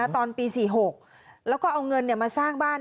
ตอนปี๔๖แล้วก็เอาเงินมาสร้างบ้าน